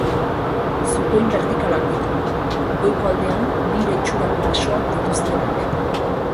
Zutoin bertikalak ditu, goiko aldean lira itxurako besoak dituztenak.